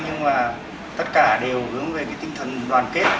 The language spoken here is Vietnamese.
nhưng mà tất cả đều hướng về cái tinh thần đoàn kết